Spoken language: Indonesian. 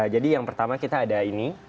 jadi yang pertama kita ada ini